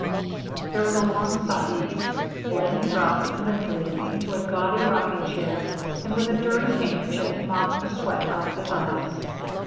There was a long silence. Blaney dropped limply into a gaudy rocking chair and with a dirty handkerchief mopped the sweat out of his eyes.